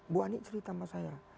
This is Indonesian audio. bu ani cerita sama saya